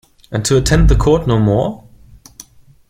And to attend the court no more?